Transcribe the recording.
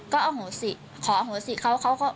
ก็เอาหูสิขอเอาหูสิเขา